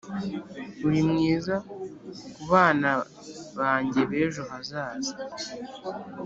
uri mwiza kubana banjye b'ejo hazaza.